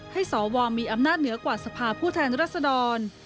ให้สวมีอำนาจเหนือกว่าสภาพภูเทญรัฐสดร